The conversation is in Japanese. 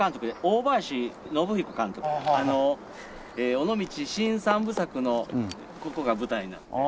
尾道新三部作のここが舞台なので。